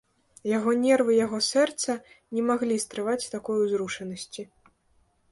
Яго нервы, яго сэрца не маглі стрываць такой узрушанасці.